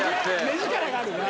目力があるな。